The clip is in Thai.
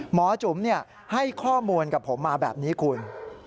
หมอจุ๋มให้ข้อมูลกับผมมาแบบนี้คุณ